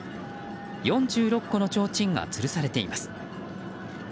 ４６個のちょうちんがつるされています。